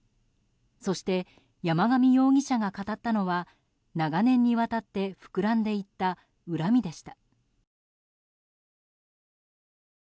そして、山上容疑者が語ったのは長年にわたって膨らんでいった恨みでした。